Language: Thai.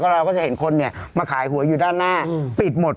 เราก็จะเห็นคนเนี่ยมาขายหัวอยู่ด้านหน้าปิดหมด